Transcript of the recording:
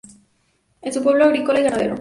Es un pueblo agrícola y ganadero.